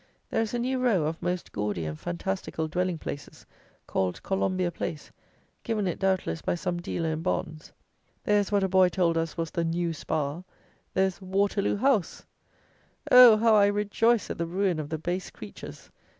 There is a new row of most gaudy and fantastical dwelling places, called "Colombia Place," given it, doubtless, by some dealer in Bonds. There is what a boy told us was the "New Spa;" there is "Waterloo house!" Oh! how I rejoice at the ruin of the base creatures!